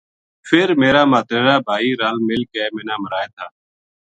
فر میرا ماتریرا بھائی رَل مِل کے منا مرائے تھا